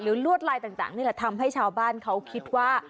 ลวดลายต่างนี่แหละทำให้ชาวบ้านเขาคิดว่า